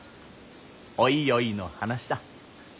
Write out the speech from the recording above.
おいおいの話だ。